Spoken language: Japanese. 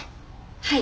はい。